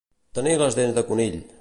Tenir les dents de conill.